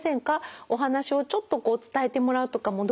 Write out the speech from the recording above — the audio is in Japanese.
お話をちょっと伝えてもらうとかもどうかしら？